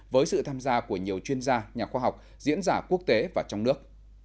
với sự tham gia của nhiều chuyên gia nhà khoa học diễn giả quốc tế và trong nước